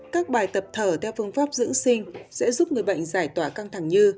các bài tập thở theo phương pháp dưỡng sinh sẽ giúp người bệnh giải tỏa căng thẳng như